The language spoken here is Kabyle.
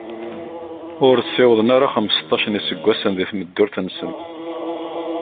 Ur ssiwḍen ara xmesṭac n yiseggasen di tmeddurt-nsen.